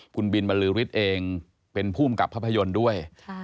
คุณบินบรรลือฤทธิ์เองเป็นภูมิกับภาพยนตร์ด้วย